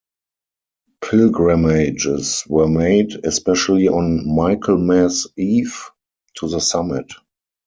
Pilgrimages were made, especially on Michaelmas Eve, to the summit.